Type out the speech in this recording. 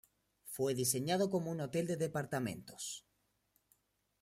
Fue diseñado como un hotel de departamentos.